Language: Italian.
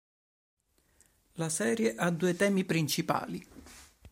La serie ha due temi principali.